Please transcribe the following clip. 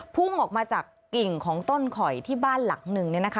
พุ่งออกมาจากกิ่งของต้นข่อยที่บ้านหลังหนึ่ง